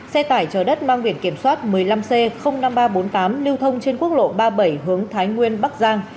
xe tải chở đất mang biển kiểm soát một mươi năm c năm nghìn ba trăm bốn mươi tám lưu thông trên quốc lộ ba mươi bảy hướng thái nguyên bắc giang